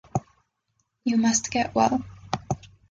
You must get well.